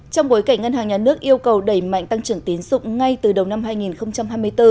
trong bối cảnh ngân hàng nhà nước yêu cầu đẩy mạnh tăng trưởng tiến dụng ngay từ đầu năm hai nghìn hai mươi bốn